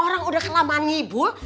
orang udah kelamaan ngibul